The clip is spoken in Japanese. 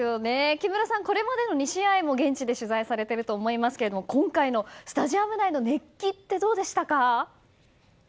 木村さん、これまでの２試合も現地で取材されていると思いますが今回のスタジアム内の熱気はどうでしたか？